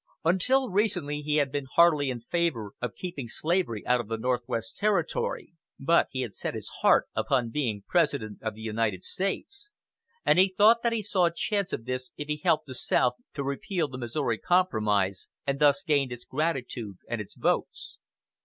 Until recently he had been heartily in favor of keeping slavery out of the Northwest Territory; but he had set his heart upon being President of the United States, and he thought that he saw a chance of this if he helped the South to repeal the Missouri Compromise, and thus gained its gratitude and its votes.